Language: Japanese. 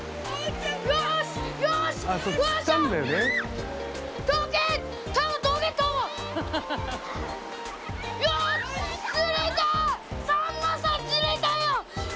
さんまさん釣れたよ！」